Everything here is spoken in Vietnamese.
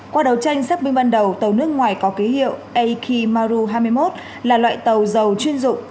qua đầu tranh sắp bình bắn đầu tàu nước ngoài có ký hiệu aikimaru hai mươi một là loại tàu dầu chuyên dụng